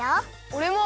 おれも！